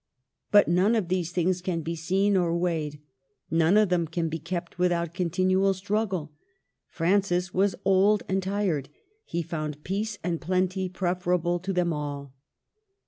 But none of these things can be seen or weighed ; none of them can be kept without continual struggle. Francis was old and tired. He found peace and plenty preferable to them all.